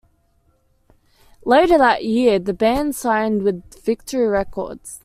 Later that year, the band signed with Victory Records.